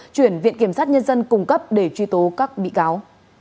chuyển viện kiểm sát nhân dân cung cấp để truy tố các bị cáo